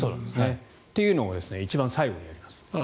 というのを一番最後にやります。